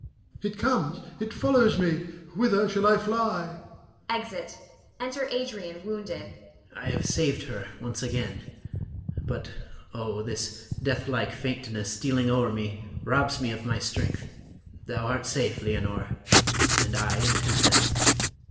It comes, it follows me. Whither shall I fly? [Exit. Enter Adrian wounded. Adrian. I have saved her once again, but oh, this deathlike faintness stealing o'er me robs me of my strength. Thou art safe, Leonore, and I am content.